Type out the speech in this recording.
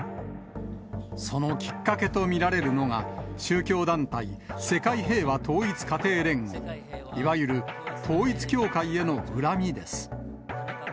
そのきっかけと見られるのが、宗教団体、世界平和統一家庭連合、いわゆる統一教会への恨みです。